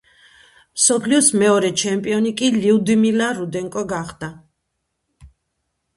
მსოფლიოს მეორე ჩემპიონი კი ლიუდმილა რუდენკო გახდა.